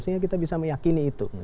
sehingga kita bisa meyakini itu